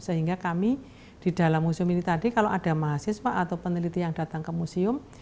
sehingga kami di dalam museum ini tadi kalau ada mahasiswa atau peneliti yang datang ke museum